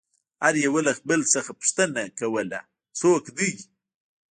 هر يوه له بل څخه پوښتنه كوله څوك دى؟